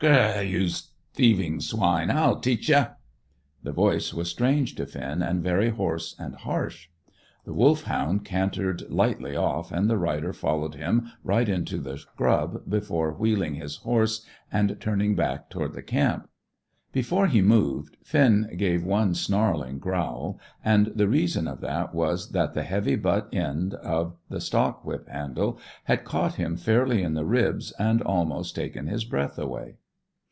"G r r r, you thieving swine! I'll teach ye!" The voice was strange to Finn, and very hoarse and harsh. The Wolfhound cantered lightly off, and the rider followed him right into the scrub before wheeling his horse and turning back toward the camp. Before he moved Finn gave one snarling growl; and the reason of that was that the heavy butt end of the stock whip handle had caught him fairly in the ribs and almost taken his breath away.